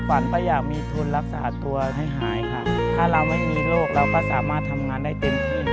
ฝันก็อยากมีทุนรักษาตัวให้หายค่ะถ้าเราไม่มีโรคเราก็สามารถทำงานได้เต็มที่